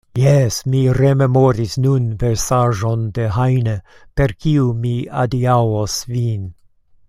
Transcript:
Jes; mi rememoris nun versaĵon de Heine, per kiu mi adiaŭos vin.